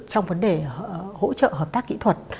trong vấn đề hỗ trợ hợp tác kỹ thuật